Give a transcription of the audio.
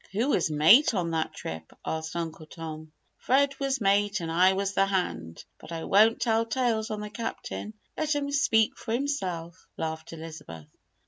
"Who was mate on that trip?" asked Uncle Tom. "Fred was mate and I was the 'hand' but I won't tell tales on the Captain let him speak for himself," laughed Elizabeth.